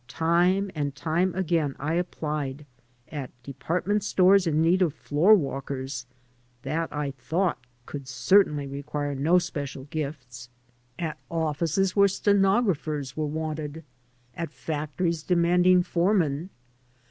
Time and time again I applied, at department stores in need of floor walkers (that, I thought, could certainly require no special gifts), at 92 r VENTURES AND ADVENTURES ofiBces where stenographers were wanted, at factories demanding foremen.